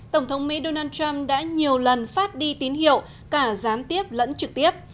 tổng thống mỹ donald trump đã nhiều lần phát đi tín hiệu cả gián tiếp lẫn trực tiếp